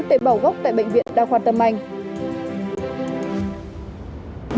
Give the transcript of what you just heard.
tế bào gốc tại bệnh viện đào khoa tâm anh